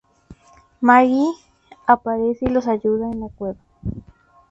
Margie aparece y los ayuda en la cueva.